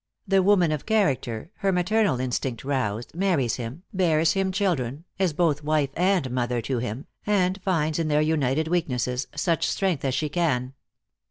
The woman of character, her maternal instinct roused, marries him, bears him children, is both wife and mother to him, and finds in their united weaknesses such strength as she can.